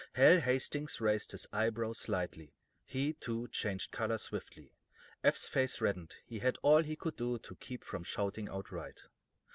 Hal Hastings raised his eyebrows slightly; he, too, changed color swiftly. Eph's face reddened; he had all he could do to keep from shouting outright.